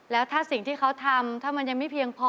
แล้วถ้าสิ่งที่เขาทำถ้ามันยังไม่เพียงพอ